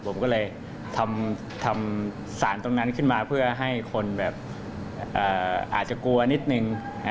ผมก็เลยทำสารตรงนั้นขึ้นมาเพื่อให้คนแบบอาจจะกลัวนิดนึง